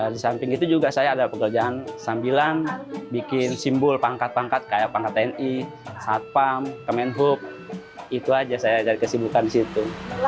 di samping itu juga saya ada pekerjaan sambilan bikin simbol pangkat pangkat kayak pangkat tni satpam kemenhub itu aja saya dari kesibukan di situ